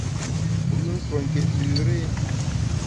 Mfù’ nsuonké üre !